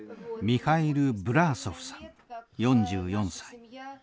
ミハイル・ブラーソフさん４４歳。